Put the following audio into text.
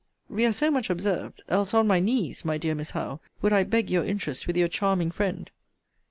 We are so much observed else on my knees, my dear Miss Howe, would I beg your interest with your charming friend.